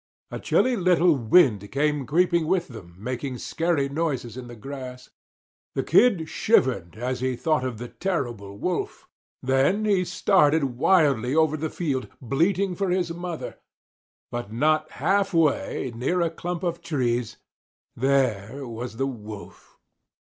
A chilly little wind came creeping with them making scary noises in the grass. The Kid shivered as he thought of the terrible Wolf. Then he started wildly over the field, bleating for his mother. But not half way, near a clump of trees, there was the Wolf!